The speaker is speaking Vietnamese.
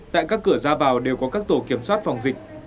tại các cửa ra vào đều có các tổ kiểm soát phòng dịch